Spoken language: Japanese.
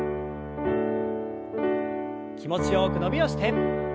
気持ちよく伸びをして。